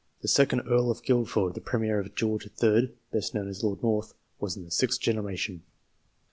The second Earl of Guilford, the Premier of George III. (best known as Lord North), was in the sixth generation.